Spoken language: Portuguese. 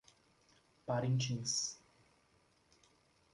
Parintins